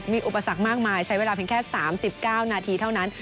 มีอุปสรรคมากมายใช้เวลาเพียงแค่๓๙นาทีเท่านั้น